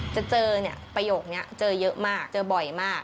จะเจอเนี่ยประโยคนี้เจอเยอะมากเจอบ่อยมาก